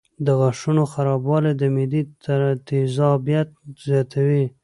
د غاښونو خرابوالی د معدې تیزابیت زیاتوي.